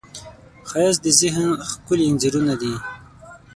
ښایست د ذهن ښکلي انځورونه دي